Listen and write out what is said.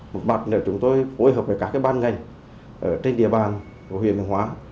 một bản để chúng tôi phối hợp với các ban ngành trên địa bàn của huyện bình hóa